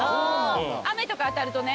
雨とか当たるとね。